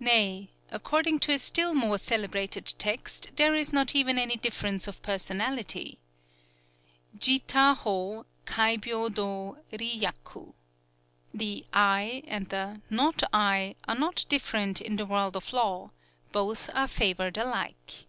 '_" Nay, according to a still more celebrated text, there is not even any difference of personality: JI TA HŌ KAI BYŌ DŌ RI YAKU. "_The 'I' and the 'Not I' are not different in the World of Law: both are favored alike.